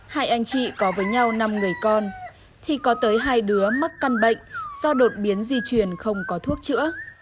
hai anh chị có với nhau năm người con thì có tới hai đứa mắc căn bệnh do đột biến di truyền không có thuốc chữa